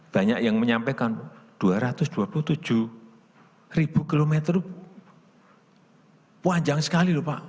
banyak yang menyampaikan dua ratus dua puluh tujuh ribu kilometer panjang sekali lho pak